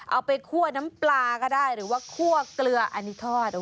เอาไปคั่วน้ำปลาก็ได้หรือว่าคั่วเกลืออันนี้ทอด